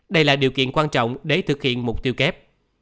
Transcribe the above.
đây là điều kiện quan trọng để thực hiện mục tiêu kép